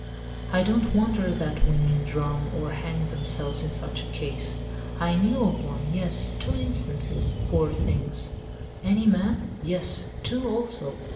I don't wonder that women drown or hang themselves in such a case. I knew of one—yes—two instances—poor things!" "Any men?" "Yes; two also.